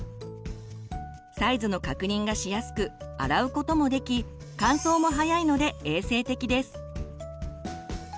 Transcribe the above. サイズの確認がしやすく洗うこともでき乾燥もはやいので衛生的です。